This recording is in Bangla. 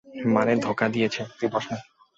মানে, ধোকা দিয়েছি।